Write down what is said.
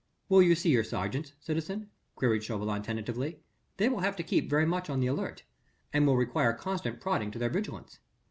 "Will you see your sergeants, citizen?" queried Chauvelin tentatively. "They will have to keep very much on the alert, and will require constant prodding to their vigilance.